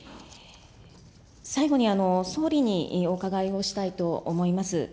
最後に、総理にお伺いをしたいと思います。